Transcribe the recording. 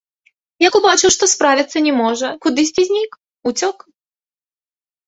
Як убачыў, што справіцца не можа, кудысьці знік, уцёк.